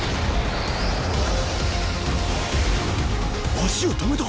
足を止めた。